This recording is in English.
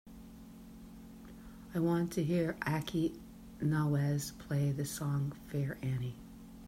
I want to hear Aki Nawaz, play the song fair annie.